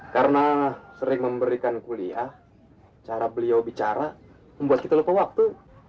karena sering memberikan kuliah cara beliau bicara membuat kita lupa waktu